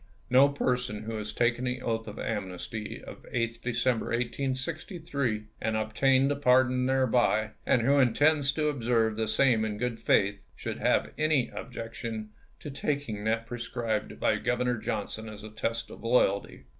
No person who has taken the oath of amnesty of 8th December, 1863, and obtained a pardon thereby, and who intends to observe the same in good faith, should have any objection to taking that i^rescribed by Governor Johnson as a test of loyalty.